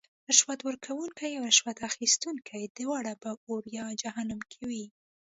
رشوت ورکوونکې او رشوت اخیستونکې دواړه به اور یا جهنم کې وی .